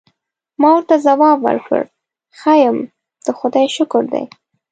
ما ورته ځواب ورکړ: ښه یم، د خدای شکر دی.